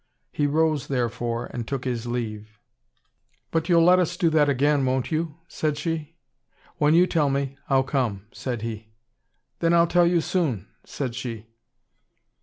He rose, therefore, and took his leave. "But you'll let us do that again, won't you?" said she. "When you tell me, I'll come," said he. "Then I'll tell you soon," said she.